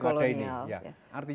sampai sekarang ya pada ini